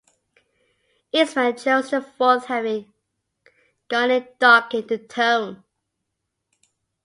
Eastman chose the fourth after having Gunning darken the tone.